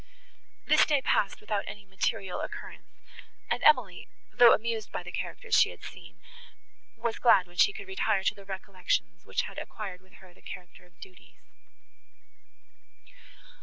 This day passed without any material occurrence; and Emily, though amused by the characters she had seen, was glad when she could retire to the recollections, which had acquired with her the character of duties.